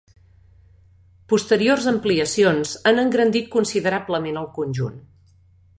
Posteriors ampliacions han engrandit considerablement el conjunt.